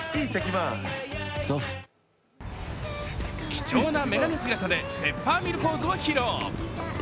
貴重な眼鏡姿でペッパーミルポーズを披露。